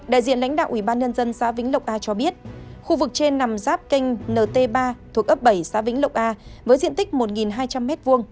đại diện lãnh đạo ủy ban nhân dân xã vĩnh lộc a cho biết khu vực trên nằm giáp kênh nt ba thuộc ấp bảy xã vĩnh lộc a với diện tích một hai trăm linh m hai